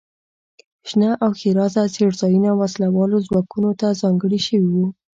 شنه او ښېرازه څړځایونه وسله والو ځواکونو ته ځانګړي شوي وو.